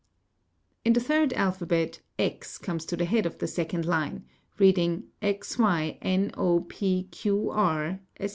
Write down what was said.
In the third alphabet, comes to the head of the second line, reading x y n o p q r, etc.